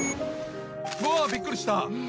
びっくりした！